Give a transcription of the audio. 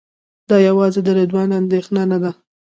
دا یوازې د رضوان اندېښنه نه ده.